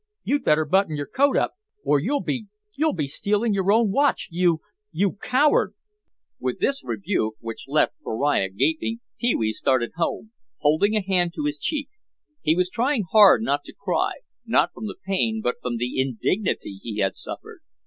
You'd better button your coat up or you'll—you'll be stealing your own watch—you—you coward!" With this rebuke, which left Beriah gaping, Pee wee started home, holding a hand to his cheek. He was trying hard not to cry, not from pain, but from the indignity he had suffered.